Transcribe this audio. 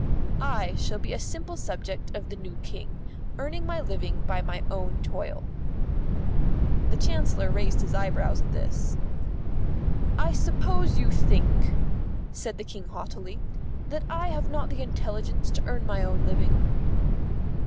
"I shall be a simple subject of the new King, earning my living by my own toil." The Chancellor raised his eyebrows at this. "I suppose you think," said the King haughtily, "that I have not the intelligence to earn my own living."